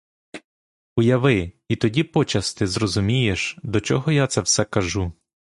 Уяви — і тоді почасти зрозумієш, до чого я це все кажу.